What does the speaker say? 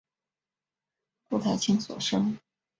顾太清所生。